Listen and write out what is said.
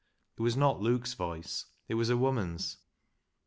It was not Luke's voice ; it was a woman's.